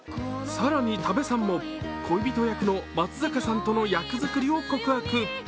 更に多部さんも恋人役の松坂さんとの役作りを告白。